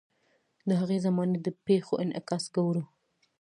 د هغې زمانې د پیښو انعکاس ګورو.